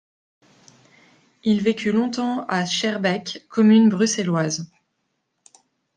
Il vécut longtemps à Schaerbeek, commune bruxelloise.